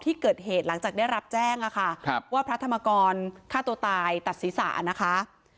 ที่เกิดเหตุหลังจากได้รับแจ้งค่ะว่าพระธรรมกรฆ่าตัวตายตัดศีรษะนะคะ